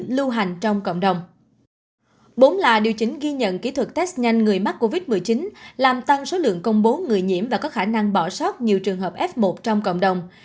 bốn là điều chỉnh ghi nhận kỹ thuật test nhanh người mắc covid một mươi chín làm tăng số lượng công bố người nhiễm và có khả năng bỏ sót nhiều trường hợp f một trong cộng đồng